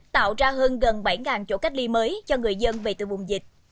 tạo ra hơn gần bảy chỗ cách ly mới cho người dân về từ vùng dịch